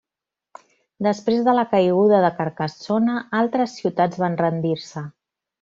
Després de la caiguda de Carcassona, altres ciutats van rendir-se.